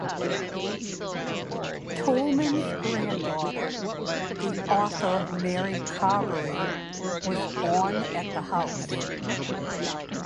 Toulmin's granddaughter, the author Mary Carbery, was born at the house.